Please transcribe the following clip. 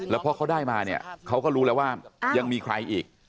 แล้วพอเขาได้มาเนี่ยเขาก็รู้แล้วว่ายังมีใครอีก